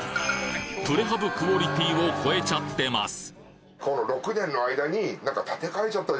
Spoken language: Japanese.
プレハブクオリティーを超えちゃってます